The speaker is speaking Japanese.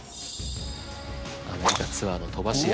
アメリカツアーの飛ばし屋。